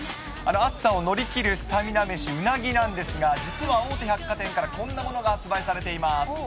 暑さを乗り切るスタミナ飯、うなぎなんですが、実は、大手百貨店からこんなものが発売されています。